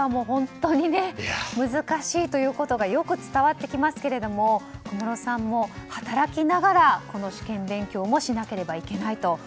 本当に難しいということがよく伝わってきますけれども小室さんも働きながらこの試験勉強もしなければいけないと。